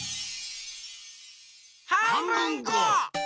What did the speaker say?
はんぶんこ！